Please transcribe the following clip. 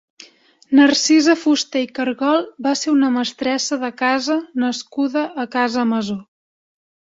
Narcisa Fuster i Cargol va ser una mestressa de casa nascuda a Casa Masó.